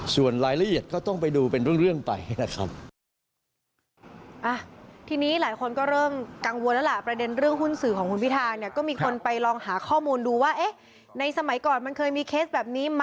ส่วนรายละเอียดก็ต้องไปดูเป็นเรื่องไปนะครับ